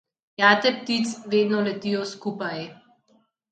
Jate ptic vedno letijo skupaj.